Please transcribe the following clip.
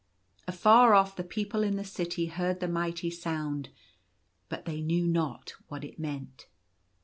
Afar off the people in the City heard the mighty sound ; but they knew not what it meant.